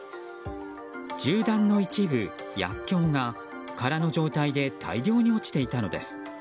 銃弾の一部薬きょうが空の状態で大量に落ちていたのです。